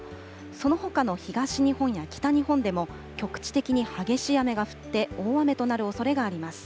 そのほかの東日本や北日本でも、局地的に激しい雨が降って、大雨となるおそれがあります。